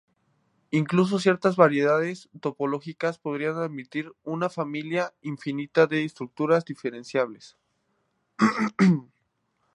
Incluso ciertas variedades topológicas podrían admitir una familia infinita de estructuras diferenciables.